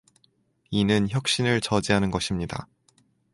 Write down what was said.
이는 혁신을 저지하는 것입니다.